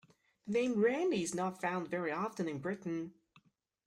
The name Randy is not found very often in Britain.